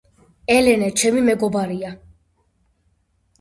ელენე ჩემი მეგობარია